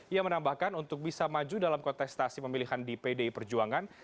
ia menambahkan untuk bisa maju dalam kontestasi pemilihan di pdi perjuangan